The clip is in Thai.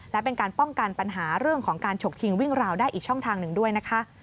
และเป็นการป้องกันปัญหาเรื่องของการฉกชิงวิ่งราวได้อีกช่องทางหนึ่งด้วยนะคะ